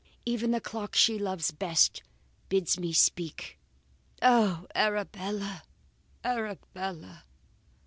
Even the clock she loves best bids me speak. Oh! Arabella, Arabella!"